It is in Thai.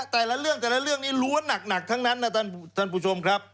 แต่ละเรื่องแต่ละเรื่องนี้ล้วนหนักทั้งนั้นนะท่านผู้ชมครับ